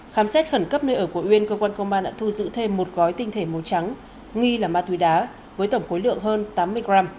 khám xét khẩn cấp nơi ở của uyên cơ quan công an đã thu giữ thêm một gói tinh thể màu trắng nghi là ma túy đá với tổng khối lượng hơn tám mươi gram